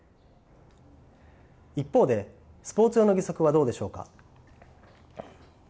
一方でスポーツ用の義足はどうでしょうか。